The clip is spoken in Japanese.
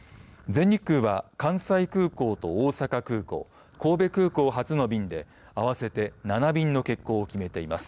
全日空は関西空港と大阪空港神戸空港発の便で合わせて７便の欠航を決めています。